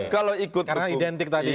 karena identik tadi